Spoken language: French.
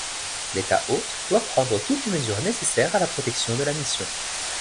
L'État hôte doit prendre toutes les mesures nécessaires à la protection de la mission.